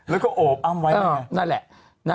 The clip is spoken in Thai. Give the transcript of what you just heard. แล้วก็โอบอ้ำไว้นั่นแหละ